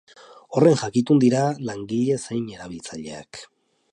Horren jakitun dira langile zein erabiltzaileak.